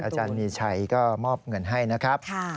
อาจารย์มีชัยก็มอบเงินให้นะครับ